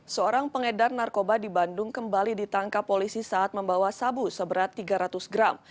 seorang pengedar narkoba di bandung kembali ditangkap polisi saat membawa sabu seberat tiga ratus gram